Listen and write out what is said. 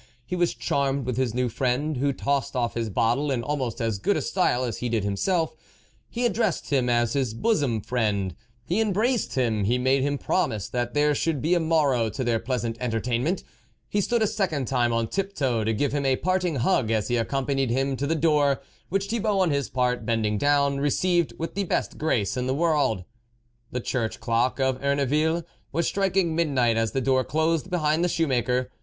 He was charmed with his new friend, who tossed off his bottle in almost as good style as he did himself ; he ad dressed him as his bosom friend, he embraced him, he made him promise that there should be a morrow to their pleasant entertainment ; he stood a second time on tiptoe to give him a parting hug as he accompanied him to the door, which Thibault on his part, bending down, re ceived with the best grace in the world. The church clock of Erneville was striking midnight as the door closed behind the shoemaker.